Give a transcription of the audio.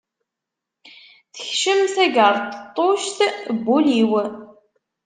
Tekcem tageṛṭeṭṭuct n wul-iw.